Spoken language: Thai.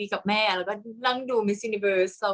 กากตัวทำอะไรบ้างอยู่ตรงนี้คนเดียว